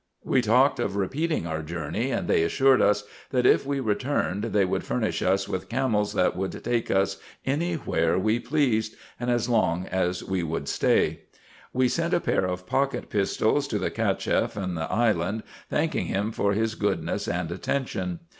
We talked of repeating our journey, and they assured us, that if we returned they would furnish us with camels that would take us any where we pleased, and as long as we would stay. We sent a pair of pocket pistols to the Cacheff in the island, thanking him for his goodness and attention.